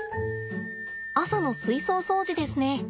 朝の水槽掃除ですね。